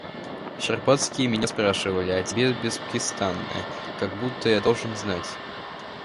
Щербацкие меня спрашивали о тебе беспрестанно, как будто я должен знать.